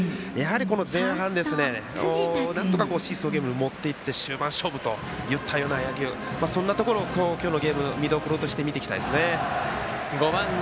前半、なんとかシーソーゲームに持っていって終盤勝負といったようなそんなところ、今日のゲーム見どころとして見ていきたいです。